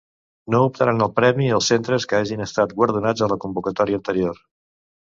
No optaran al premi els centres que hagin estat guardonats a la convocatòria anterior.